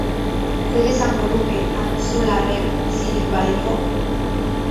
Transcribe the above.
Zer esango luke Axularrek bizirik balego?